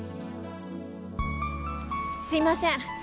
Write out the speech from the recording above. すいません。